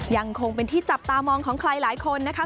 ยังคงเป็นที่จับตามองของใครหลายคนนะคะ